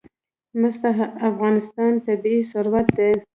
مس د افغانستان طبعي ثروت دی.